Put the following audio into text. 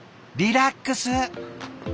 リラックス！